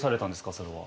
それは。